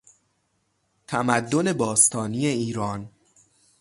تمدن باستانی ایران